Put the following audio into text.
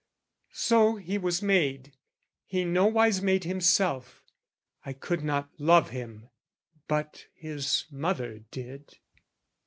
So he was made; he nowise made himself: I could not love him, but his mother did.